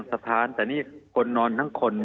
มีความรู้สึกว่ามีความรู้สึกว่า